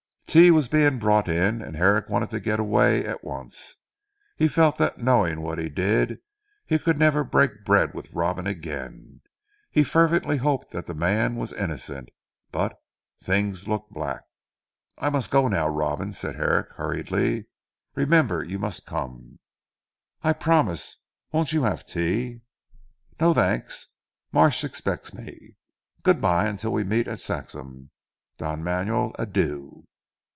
Tea was being brought in, and Herrick wanted to get away at once. He felt that knowing what he did, he could never break bread with Robin again. He fervently hoped that the man was innocent, but things looked black. "I must go now Robin," said Herrick hurriedly, "remember you must come." "I promise. Won't you have tea?" "No thanks; Marsh expects me. Good bye until we meet at Saxham. Don Manuel, Adieu!"